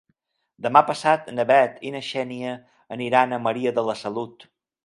Demà passat na Bet i na Xènia aniran a Maria de la Salut.